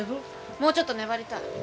もうちょっと粘りたい。